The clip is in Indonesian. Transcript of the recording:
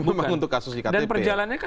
memang untuk kasus di ktp dan perjalanannya